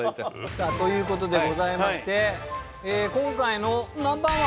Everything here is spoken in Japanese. さあという事でございまして今回のＮｏ．１。